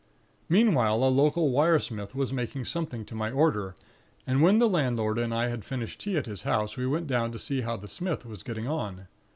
"Meanwhile, a local wire smith was making something to my order; and when the landlord and I had finished tea at his house, we went down to see how the smith was getting on.